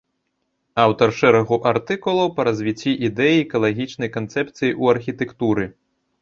Аўтар шэрагу артыкулаў па развіцці ідэі экалагічнай канцэпцыі ў архітэктуры.